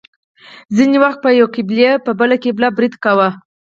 ځینې وخت به یوې قبیلې په بله قبیله برید کاوه.